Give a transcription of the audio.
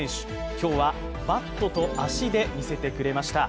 今日はバットと足で見せてくれました。